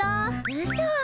うそ。